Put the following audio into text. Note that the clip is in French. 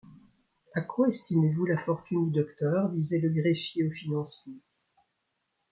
À quoi estimez-vous la fortune du docteur? disait le greffier au financier.